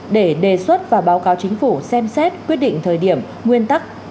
để đề xuất và báo cáo chính phủ xem xét quyết định thời điểm nguyên tắc